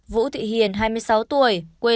vũ thị hiền hai mươi sáu tuổi quê